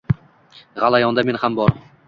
G’alayonda men ham bor.